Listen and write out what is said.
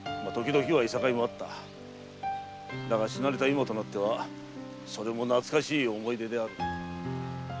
だが死なれた今となってはそれも懐かしい思い出である。